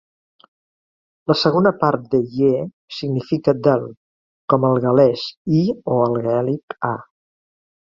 La segona part d'"-ie-" significa "del", com el gal·lès "y" o el gaèlic "a".